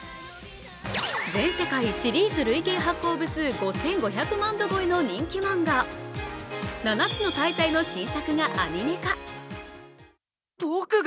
全世界シリーズ累計発行部数５５００万部超えの人気漫画「七つの大罪」の新作がアニメ化。